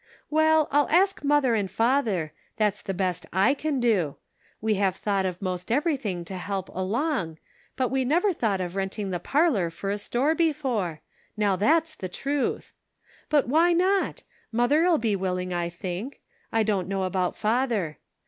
Well, I'll ask mother and father ; that's the best / can do. We have thought of most everything to help along, but we never thought of renting the parlor for a store before ; now that's tha truth. But why not ? Mother'll be willing, I think ; I don't know about father.